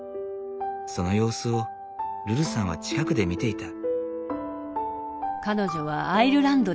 その様子をルルさんは近くで見ていた。